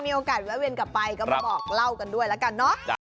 มีโอกาสแวะเวียนกลับไปก็มาบอกเล่ากันด้วยแล้วกันเนาะ